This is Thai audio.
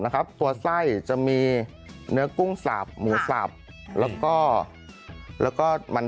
ข้างบัวแห่งสันยินดีต้อนรับทุกท่านนะครับ